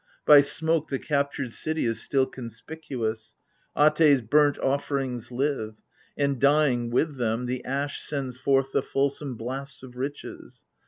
By smoke the captured city is still conspicuous : Atd's burnt offerings live : and, dying with them, The ash sends forth the fulsome blasts of riches.